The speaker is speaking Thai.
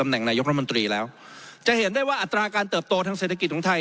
แหงนายกรัฐมนตรีแล้วจะเห็นได้ว่าอัตราการเติบโตทางเศรษฐกิจของไทย